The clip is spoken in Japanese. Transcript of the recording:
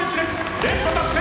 連覇達成！